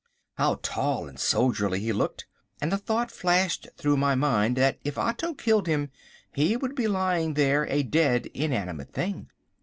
How tall and soldierly he looked! And the thought flashed through my mind that if Otto killed him he would be lying there a dead, inanimate thing.